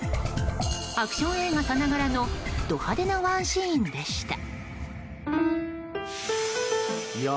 アクション映画さながらのド派手なワンシーンでした。